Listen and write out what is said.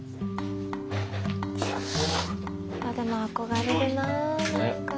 でも憧れるな何か。